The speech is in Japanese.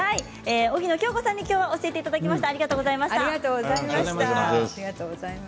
荻野恭子さんに教えていただきました。